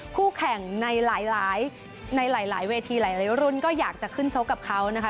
คู่แข่งในหลายในหลายเวทีหลายรุ่นก็อยากจะขึ้นชกกับเขานะคะ